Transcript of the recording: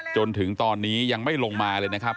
จนถึงตอนนี้ยังไม่ลงมาเลยนะครับ